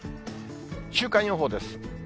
週間予報です。